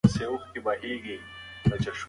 ناسمه غذا ټولنه له فساد سره مخ کوي.